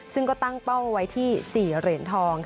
ซึ่งก็ตั้งเป้าไว้ที่๔เหรียญทอง